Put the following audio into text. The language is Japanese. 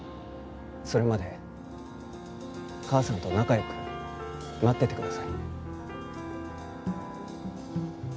それまで母さんと仲良く待っててください。